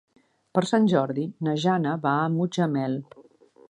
Per Sant Jordi na Jana va a Mutxamel.